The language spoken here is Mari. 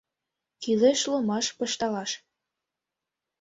Кӱлеш ломаш пышталаш.